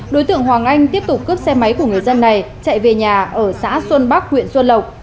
đối tượng hoàng anh tiếp tục cướp xe máy của người dân này chạy về nhà ở xã xuân bắc huyện xuân lộc